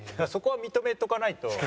そこは認めておかないと。